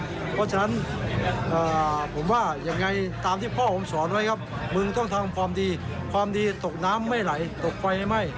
เพราะฉะนั้นผมว่ายังไงตามที่พ่อผมสอนไว้ครับมึงต้องทำความดีความดีตกน้ำไม่ไหลตกไฟไม่ไหม้